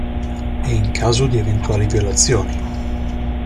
E, in caso di eventuali violazioni.